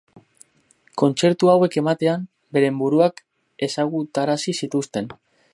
Kontzertu hauek ematean, beren buruak ezagutarazi zituzten.